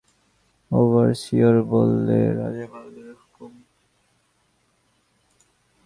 Overseer বললে, রাজাবাহাদুরের হুকুম।